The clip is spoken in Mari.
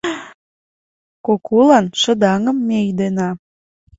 Кукулан шыдаҥым ме ӱдена